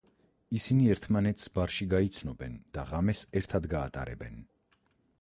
ისინი ერთმანეთს ბარში გაიცნობენ და ღამეს ერთად გაატარებენ.